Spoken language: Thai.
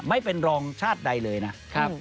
ไม่เป็นรองชาติใดเลยนะครับ